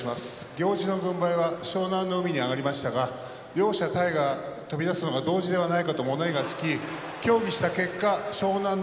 行司の軍配は湘南乃海に上がりましたが両者体が出るのが同時ではないかと物言いがつき協議した結果、湘南乃